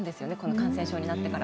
感染症になってから。